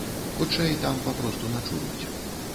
Хутчэй, там папросту начуюць.